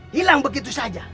hilang begitu saja